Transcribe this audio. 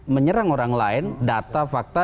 menyerang orang lain data fakta